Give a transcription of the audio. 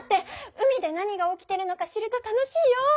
海で何が起きてるのか知ると楽しいよ！